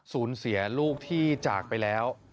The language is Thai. สูญเสียลูกที่จากไปแล้ว